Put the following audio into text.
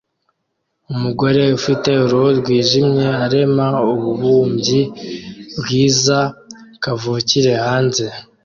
Umugore ufite uruhu rwijimye arema ububumbyi bwiza kavukire hanze